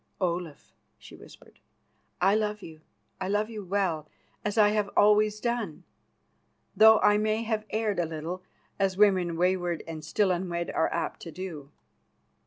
"Olaf," she whispered, "I love you, I love you well, as I have always done, though I may have erred a little, as women wayward and still unwed are apt to do.